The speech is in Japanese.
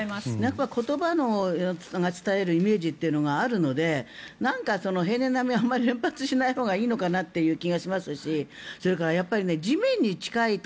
言葉が伝えるイメージというのがあるのでなんか、平年並みをあまり連発しないほうがいいのかなという気がしますしそれから地面に近いと